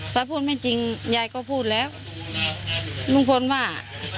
ถ้าพูดไม่จริงยายก็พูดแล้วลุงพลว่า